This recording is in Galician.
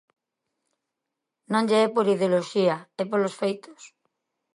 Non lle é por ideoloxía, é polos feitos.